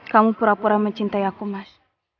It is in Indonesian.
kamu pura pura mencintai aku mas